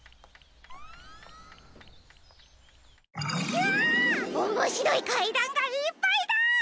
ひゃおもしろいかいだんがいっぱいだ！